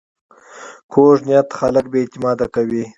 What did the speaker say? کوږ نیت خلک بې اعتماده کوي